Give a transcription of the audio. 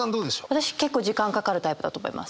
私結構時間かかるタイプだと思います。